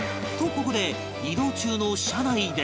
ここで移動中の車内で